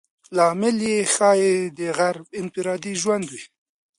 لامل یې ښایي د غرب انفرادي ژوند وي.